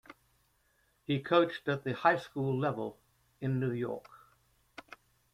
He coached at the high school level in New York.